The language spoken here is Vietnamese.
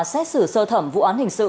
xét xử sơ thẩm vụ án hình sự